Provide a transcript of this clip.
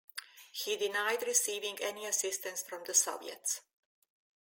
He denied receiving any assistance from the Soviets.